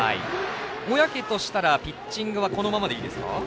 小宅としたらピッチングはこのままでいいですか？